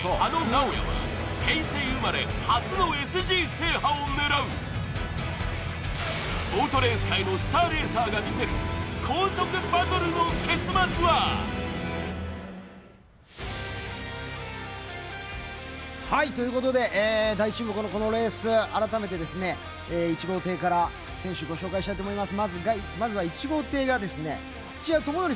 そこに立ちはだかるのがボートレース界のスターレーサーが見せる高速バトルの結末は？ということで大注目のこのレース、改めて１号艇から選手、ご紹介したいと思います。